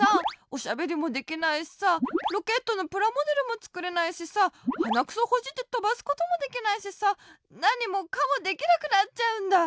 おしゃべりもできないしさロケットのプラモデルもつくれないしさはなくそほじってとばすこともできないしさなにもかもできなくなっちゃうんだ。